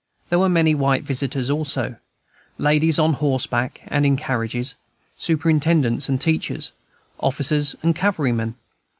There were many white visitors also, ladies on horseback and in carriages, superintendents and teachers, officers, and cavalry men.